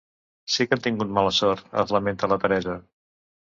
Si que han tingut mala sort, es lamenta la Teresa.